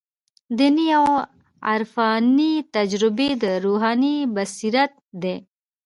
دیني او عرفاني تجربې د روحاني بصیرت دي.